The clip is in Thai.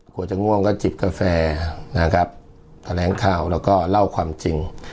กลัวจะง่วงก็จิบกาแฟนะครับแถลงข่าวแล้วก็เล่าความจริง